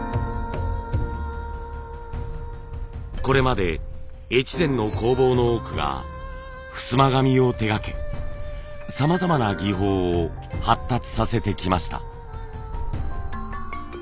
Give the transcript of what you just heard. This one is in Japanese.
これまで越前の工房の多くがふすま紙を手がけさまざまな技法を発達させてきました。